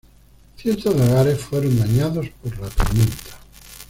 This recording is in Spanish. Cientos de hogares fueron dañados por la tormenta.